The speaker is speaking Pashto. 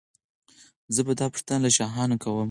زه به دا پوښتنه له شاهانو کوم.